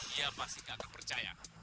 dia pasti gak akan percaya